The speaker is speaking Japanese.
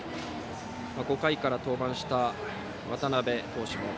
５回から登板した渡辺投手